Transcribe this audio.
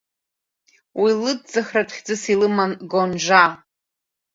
Уи лыӡӡахратә хьӡыс илыман Гонжа…